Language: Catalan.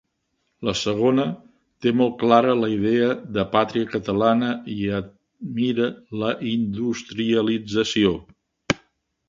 En la segona, té molt clara la idea de pàtria catalana i admira la industrialització.